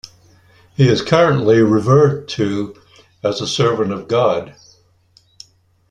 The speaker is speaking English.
He is currently revered to as a Servant of God.